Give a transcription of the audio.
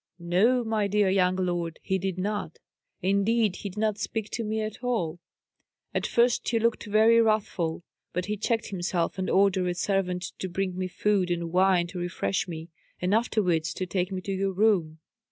"No, my dear young lord, he did not; indeed he did not speak to me at all. At first he looked very wrathful; but he checked himself, and ordered a servant to bring me food and wine to refresh me, and afterwards to take me to your room."